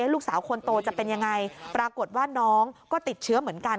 ลูกสาวคนโตจะเป็นยังไงปรากฏว่าน้องก็ติดเชื้อเหมือนกัน